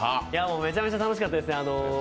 めちゃめちゃ楽しかったですね。